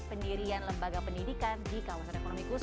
kepada dpr kemungkinan pendidikan pendidikan di luar indonesia